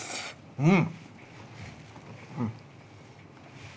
うん！